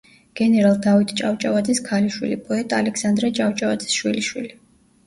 გენერალ დავით ჭავჭავაძის ქალიშვილი, პოეტ ალექსანდრე ჭავჭავაძის შვილიშვილი.